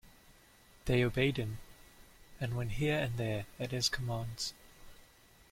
They obeyed him, and went here and there at his commands.